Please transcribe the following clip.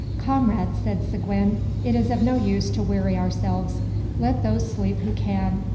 "Comrades!" said Seguin, "it is of no use to weary ourselves. Let those sleep who can.